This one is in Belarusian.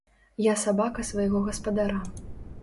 Я сабака свайго гаспадара.